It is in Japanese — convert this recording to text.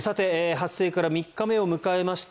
発生から３日目を迎えました